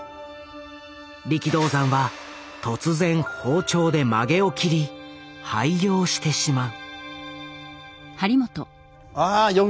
力道山は突然包丁で髷を切り廃業してしまう。